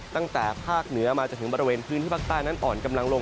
ตั้งแต่ภาคเหนือมาจนถึงบริเวณพื้นที่ภาคใต้นั้นอ่อนกำลังลง